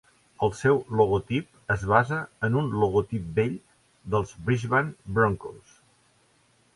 El seu logotip es basa en un logotip vell dels Brisbane Broncos.